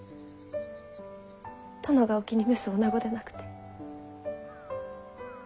殿がお気に召すおなごでなくて。